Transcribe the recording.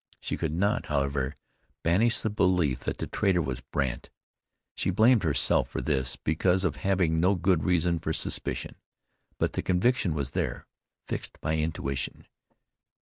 She could not, however, banish the belief that the traitor was Brandt. She blamed herself for this, because of having no good reasons for suspicion; but the conviction was there, fixed by intuition.